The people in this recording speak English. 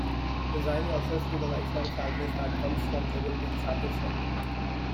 Resign yourself to the lifelong sadness that comes from never being satisfied.